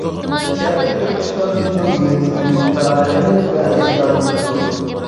شەرقىي تۈركىستان بىزنىڭ يىلتىزىمىز، تارىخىمىز ۋە ئەجدادىمىز دۇر.